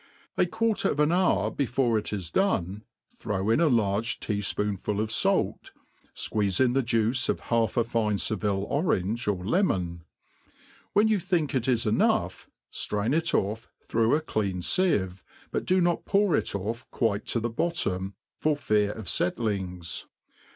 A quarter of an hour before it is done, throw io a large tea (poonful of fait, fqueezc in the juice of half a fine Seville orange or lemon ; when you think it is. enough^ ftraiij. it ofiF throu<ih a clean fieve, bjut do not pour it ofF quite to the bot tom, for fear of fettlings.